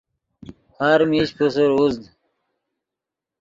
ہر میش پوسر اُوزد